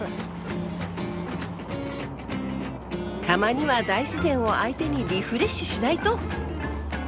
たまには大自然を相手にリフレッシュしないと！